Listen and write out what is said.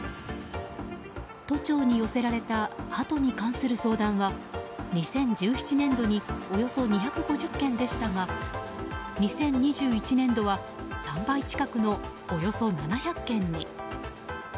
都庁に寄せられたハトに関する相談は２０１７年度におよそ２５０件でしたが２０２１年度は３倍近くのおよそ７００件に。